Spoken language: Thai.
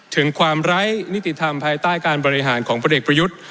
ถึงความไร้นิติธรรมภายใต้การบริหารของพลเอกประยุทธ์